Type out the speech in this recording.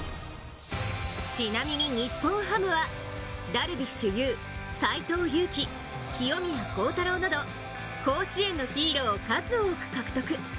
ちなみに日本ハムはダルビッシュ有斎藤佑樹、清宮幸太郎など、甲子園のヒーローを数多く獲得。